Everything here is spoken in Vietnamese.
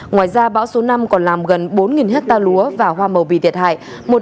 ngoài ra bão số năm còn làm gần bốn hectare lúa và hoa màu bị thiệt hại